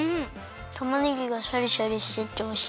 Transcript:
たまねぎがシャリシャリしてておいしい。